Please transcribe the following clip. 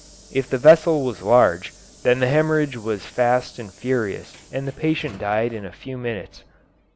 If the vessel was large, then the hemorrhage was fast and furious and the patient died in a few minutes.